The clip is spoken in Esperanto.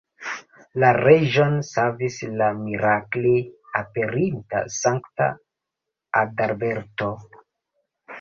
La reĝon savis la mirakle aperinta sankta Adalberto.